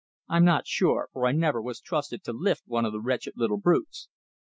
I'm not sure, for I never was trusted to lift one of the wretched little brutes.